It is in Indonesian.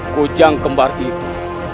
kujang kembar itu